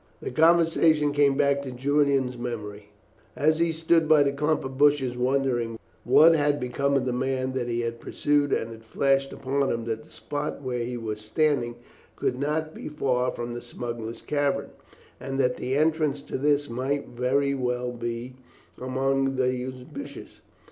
This conversation came back to Julian's memory, as he stood by the clump of bushes wondering what had become of the man that he had pursued, and it flashed upon him that the spot where he was standing could not be far from the smugglers' cavern, and that the entrance to this might very well be among these bushes.